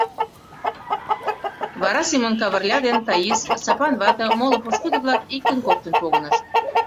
Вара Семон Кавырля ден Таис, Сапан вате, моло пошкудо-влак иктын-коктын погынышт.